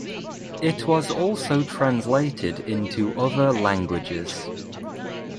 It was also translated into other languages.